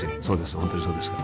本当にそうですから。